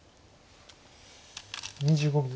２５秒。